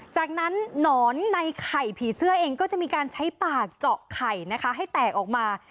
จากนั้นหนอนในไข่ผีเสื้อเองก็จะมีการใช้ปากเจาะไข่นะคะให้แตกออกมา